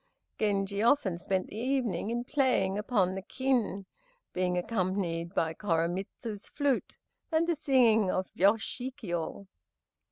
Genji often spent the evening in playing upon the Kin, being accompanied by Koremitz's flute and the singing of Yoshikiyo.